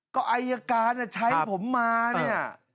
ก็อายการใช้ผมมาเนี่ย